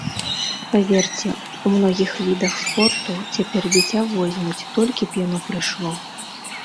Паверце, у многіх відах спорту цяпер дзіця возьмуць, толькі б яно прыйшло.